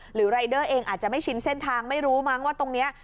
รายเดอร์เองอาจจะไม่ชินเส้นทางไม่รู้มั้งว่าตรงนี้